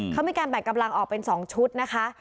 เขามีการแบ่งกำลังออกเป็น๒ชุดนะคะ